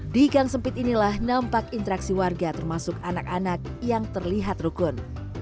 di gang sempit inilah nampak interaksi warga termasuk anak anak yang terlihat rukun